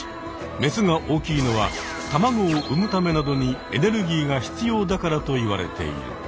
メスが大きいのはたまごを産むためなどにエネルギーが必要だからと言われている。